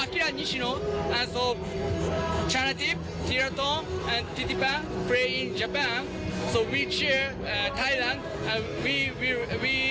ที่นี่ไทยเราต้องช่วยหวังว่าใช่ครับ